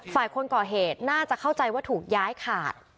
ฝ่ายคนก่อเหตุน่าจะเข้าใจว่าถูกย้ายขาด